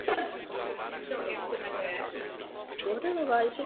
Pak odstaven z veřejných funkcí.